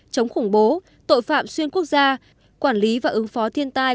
chống khủng bố tội phạm xuyên quốc gia quản lý và ứng phó thiên tai